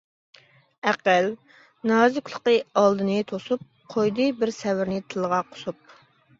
ئەقىل، نازۇكلۇقى ئالدىنى توسۇپ، قويدى بىر سەۋرنى تىلىغا قۇسۇپ.